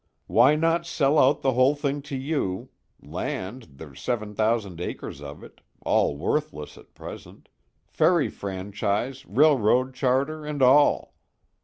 Why not sell out the whole thing to you, land there's seven thousand acres of it all worthless at present ferry franchise, railroad charter, and all?